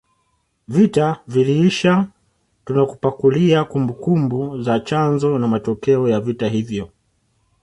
Vita viliisha tunakupakulia kumbukumbu za chanzo na matokeo ya vita hivyo